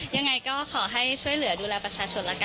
ยังไงก็ขอให้ช่วยเหลือดูแลประชาชนละกัน